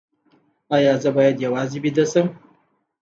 ایا زه باید یوازې ویده شم؟